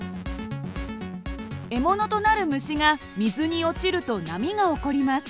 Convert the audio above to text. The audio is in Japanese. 獲物となる虫が水に落ちると波が起こります。